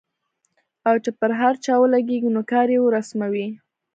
او چې پر هر چا ولګېږي نو کار يې ورسموي.